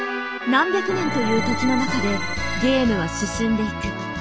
何百年という時の中でゲームは進んでいく。